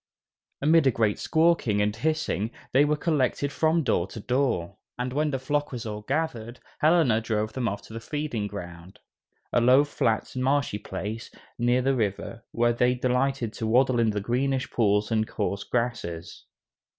Amid a great squawking and hissing they were collected from door to door, and when the flock was all gathered, Helena drove them off to the feeding ground, a low flat marshy place, near the river, where they delighted to waddle in the greenish pools and coarse grasses.